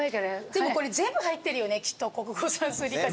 でもこれ全部入ってるよねきっと国語算数理科社会。